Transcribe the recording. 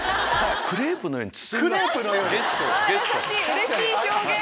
うれしい表現！